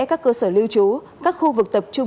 các cơ sở lưu trú các khu vực tập trung